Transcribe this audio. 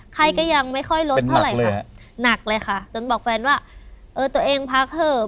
ไข้ก็ยังไม่ค่อยลดเท่าไหร่ค่ะหนักเลยค่ะจนบอกแฟนว่าเออตัวเองพักเถอะ